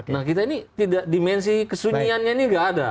nah dimensi kesunyiannya ini tidak ada